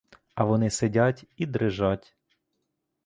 А вони сидять і дрижать.